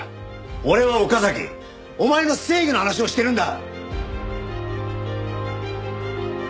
俺は岡崎お前の正義の話をしてるんだ！